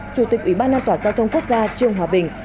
chủ tịch ủy ban an toàn giao thông quốc gia trương hòa bình